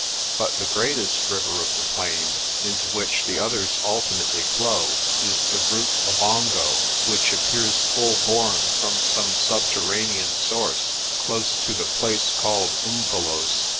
But the greatest river of the plain, into which the others ultimately flow, is the Groot Labongo, which appears full born from some subterranean source close to the place called Umvelos'.